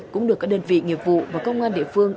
cũng được các đơn vị nghiệp vụ và công an địa phương